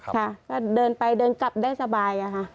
ค่ะก็เดินไปเดินกลับได้สบายอะค่ะ